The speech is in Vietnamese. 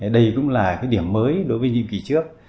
đây cũng là điểm mới đối với nhiệm kỳ trước